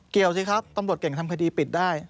สิครับตำรวจเก่งทำคดีปิดได้